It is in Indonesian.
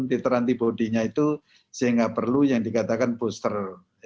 teteranti bodinya itu sehingga perlu yang dikatakan booster